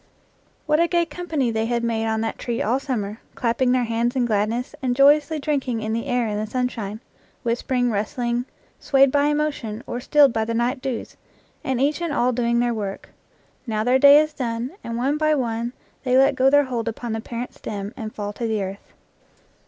What a gay company they had made on that tree all summer, clapping their hands in gladness, and joyously drinking in the air and the sunshine, whis pering, rustling, swayed by emotion, or stilled by the night dews, and each and all doing their work ! Now 84 IN FIELD AND WOOD their day is done, and one by one they let go their hold upon the parent stem, and fall to the earth.